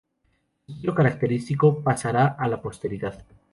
Su estilo característico pasará a la posteridad.